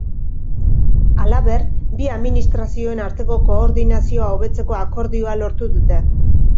Halaber, bi administrazioen arteko koordinazioa hobetzeko akordioa lortu dute.